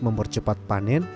mengurangi kadar air